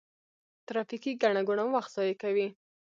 ترافیکي ګڼه ګوڼه وخت ضایع کوي.